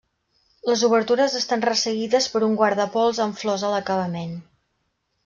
Les obertures estan resseguides per un guardapols amb flors a l'acabament.